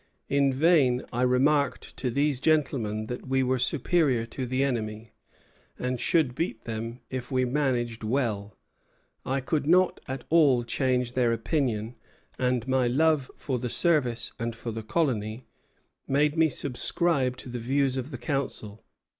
"In vain I remarked to these gentlemen that we were superior to the enemy, and should beat them if we managed well. I could not at all change their opinion, and my love for the service and for the colony made me subscribe to the views of the council.